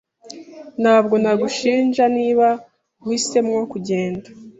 Ntabwo nagushinja niba uhisemo kugenda.